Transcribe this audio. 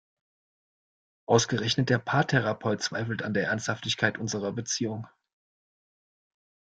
Ausgerechnet der Paartherapeut zweifelt an der Ernsthaftigkeit unserer Beziehung!